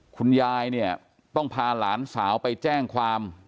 คุณยายเนี่ยต้องพาหลานสาวไปแจ้งความ